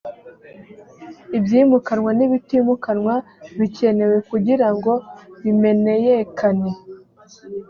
ibyimukanwa n ibitimukanwa bikenewe kugira ngo bimeneyekane